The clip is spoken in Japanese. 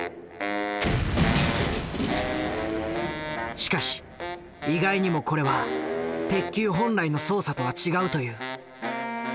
しかし意外にもこれは鉄球本来の操作とは違うという。